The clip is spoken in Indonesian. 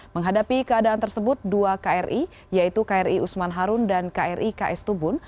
menghadapi keadaan tersebut dua kri yaitu kri usman harun dan kri ks tubun